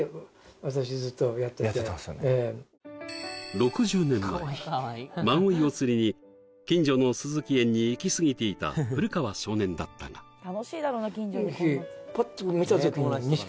６０年前マゴイを釣りに近所の寿々木園にイキスギていた古川少年だったがああ